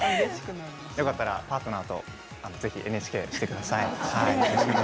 よかったらパートナーとぜひＮＨＫしてください。